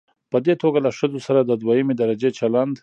په دې توګه له ښځو سره د دويمې درجې چلن